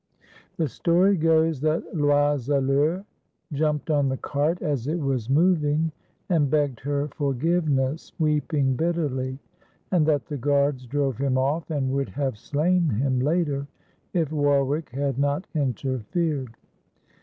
The story goes that Loiselleur jumped on the cart as it was moving and begged her forgiveness, weeping bit terly, and that the guards drove him off and would have slain him later if Warwick had not interfered.